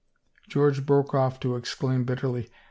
George broke off to exclaim bitterly.